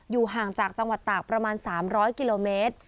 ห่างจากจังหวัดตากประมาณ๓๐๐กิโลเมตร